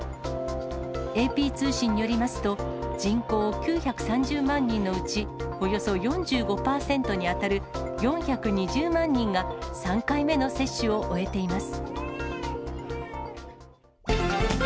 ＡＰ通信によりますと、人口９３０万人のうち、およそ４５％に当たる４２０万人が３回目の接種を終えています。